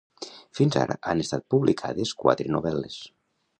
Fins ara han estat publicades quatre novel·les.